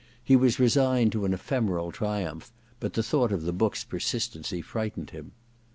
He was resigned to an ephemeral triumph but the thought of the book's per sistency frightened him.